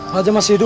raja masih hidup